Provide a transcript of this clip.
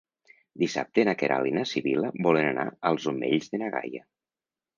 Dissabte na Queralt i na Sibil·la volen anar als Omells de na Gaia.